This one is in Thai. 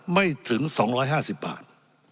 ไม่ถึง๒๕๐บาท